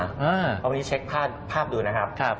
เพราะวันนี้เช็คภาพดูนะครับ